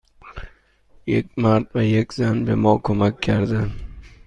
یک مرد و یک زن به ما کمک کردند.